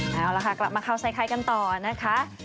เอาล่ะค่ะกลับมาเข้าใส่คล้ายกันต่อนะคะ